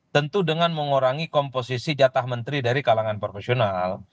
tentu dengan mengurangi komposisi jatah menteri dari kalangan profesional